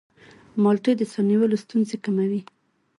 مالټې د ساه نیولو ستونزې کموي.